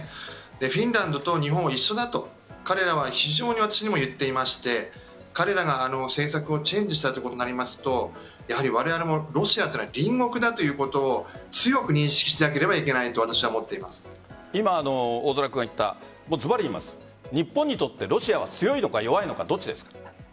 フィンランドと日本は一緒だと彼らは非常に私にも言っていまして彼らが政策をチェンジしたということになりますとわれわれもロシアから隣国だということを強く認識しなければいけないと今、大空君が言ったずばり言います日本にとってロシアは強いのか弱いのかどっちですか？